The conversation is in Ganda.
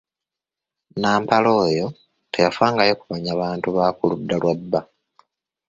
Nnampala oyo teyafangayo kumanya bantu ba ku ludda lwa bba.